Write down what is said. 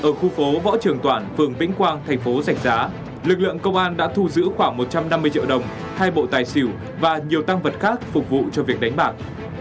lực lượng công an đã thu giữ khoảng một trăm năm mươi triệu đồng hai bộ tài xỉu và nhiều tăng vật khác phục vụ cho việc đánh bạc